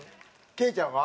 ケイちゃんは？